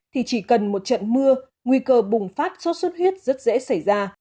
thì chỉ cần một trận mưa nguy cơ bùng phát sốt xuất huyết rất dễ xảy ra